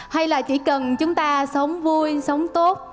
hay là chỉ cần chúng ta sống vui sống tốt